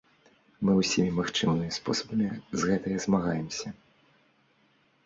Мы ўсімі магчымымі спосабамі з гэтыя змагаемся.